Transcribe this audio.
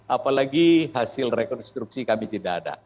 apalagi hasil rekonstruksi kami tidak ada